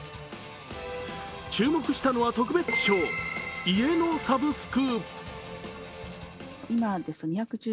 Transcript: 注目したのは特別賞、家のサブスク。